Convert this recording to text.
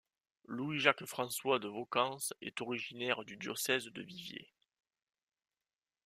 Louis-Jacques-François de Vocance est originaire du diocèse de Viviers.